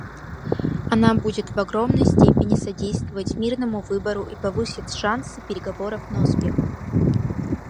Она будет в огромной степени содействовать мирному выбору и повысит шансы переговоров на успех.